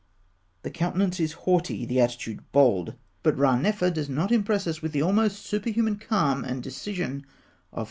The countenance is haughty, the attitude bold; but Ranefer does not impress us with the almost superhuman calm and decision of Khafra.